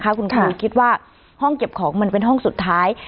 คุณครูคิดว่าห้องเก็บของมันเป็นห้องสุดท้าย